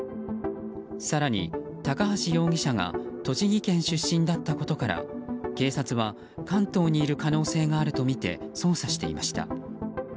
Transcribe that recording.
更に高橋容疑者が栃木県出身だったことから警察は関東にいる可能性があるとみて捜査していました。